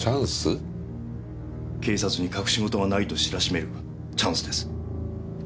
警察に隠し事はないと知らしめるチャンスです。